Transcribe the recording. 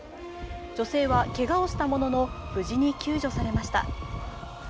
女性はけがをしたものの、無事に救助されました。